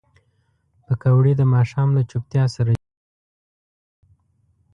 پکورې د ماښام له چوپتیا سره جوړېږي